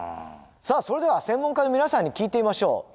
さあそれでは専門家の皆さんに聞いてみましょう。